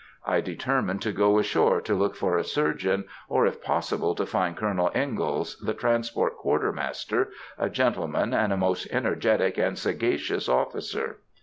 I determined to go ashore to look for a surgeon, or if possible to find Colonel Ingalls, the transport quartermaster, a gentleman, and a most energetic and sagacious officer.